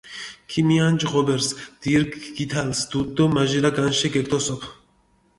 ქიმიანჭჷ ღობერს, დირგჷ გითალს დუდი დო მაჟირა განშე გეგთოსოფჷ.